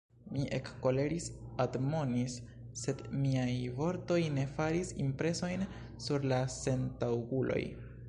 Mi ekkoleris, admonis, sed miaj vortoj ne faris impresojn sur la sentaŭguloj.